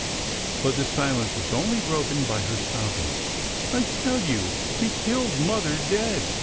But the silence was only broken by her sobbing. " I tell you he killed mother dead.